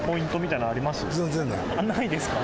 あっないですか？